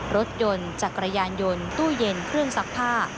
รถยนต์จักรยานยนต์ตู้เย็นเครื่องซักผ้า